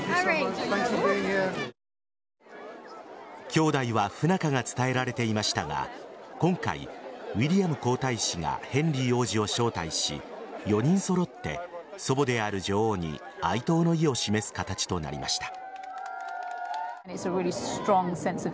兄弟は不仲が伝えられていましたが今回、ウィリアム皇太子がヘンリー王子を招待し４人揃って、祖母である女王に哀悼の意を示す形となりました。